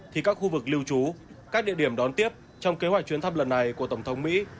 thì các khu vực lưu trú các địa điểm đón tiếp trong kế hoạch chuyến thăm lần này của tổng thống mỹ